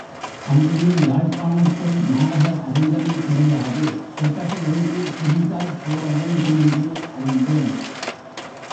அன்றியும் யாழ்ப்பாணத்தில் நாடக அரங்கமே கிடையாது, கொட்டகையொன்று புதிதாய்ப் போட வேண்டுமென்று அறிந்தோம்.